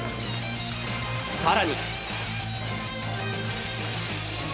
更に。